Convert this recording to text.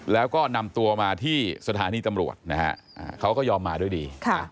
แล้วก็นำตัวมาที่สถานีตำรวจนะฮะเขาก็ยอมมาด้วยดี